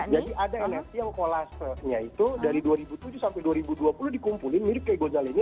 ada nft yang kolasternya itu dari dua ribu tujuh sampai dua ribu dua puluh dikumpulin mirip kayak gozali ini